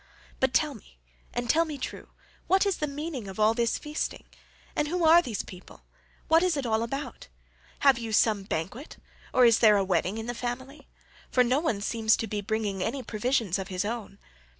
But tell me, and tell me true, what is the meaning of all this feasting, and who are these people? What is it all about? Have you some banquet, or is there a wedding in the family—for no one seems to be bringing any provisions of his own?